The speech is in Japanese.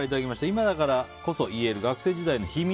今だからこそ言える学生時代の秘密！